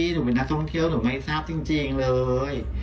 หนูเป็นนักท่องเที่ยวหนูไม่ทราบจริงเลย